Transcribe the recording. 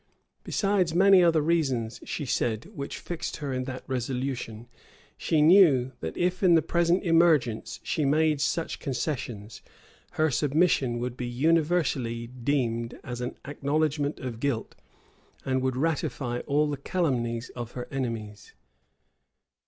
Besides many other reasons, she said, which fixed her in that resolution, she knew, that if in the present emergence she made such concessions, her submission would be universally deemed an acknowledgment of guilt, and would ratify all the calumnies of her enemies.